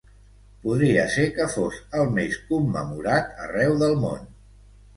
Podria ser que fos el més commemorat arreu del món.